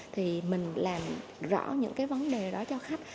thì mình làm rõ những cái vấn đề đó cho khách